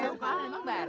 cuka memang bareng